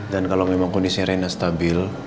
dan kalau memang kondisi rina stabil